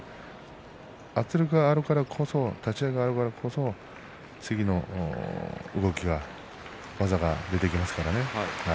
圧力があるからこそ立ち合いがあるからこそ次の動きが技が出てきますからね。